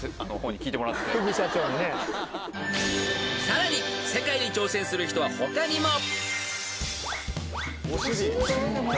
［さらに世界に挑戦する人は他にも］